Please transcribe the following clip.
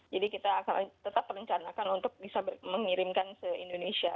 jadi kita akan tetap rencanakan untuk bisa mengirimkan ke indonesia